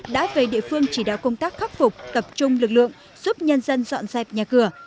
đã về địa phương chỉ đạo công tác khắc phục tập trung lực lượng giúp nhân dân dọn dẹp nhà cửa